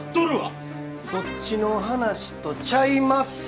そっちの話とちゃいまっせ。